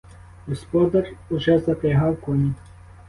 Господар уже запрягав коні.